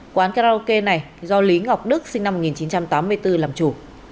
quán karaoke này do lý ngọc đức sinh năm một nghìn chín trăm tám mươi bốn làm chủ